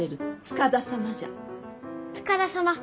塚田様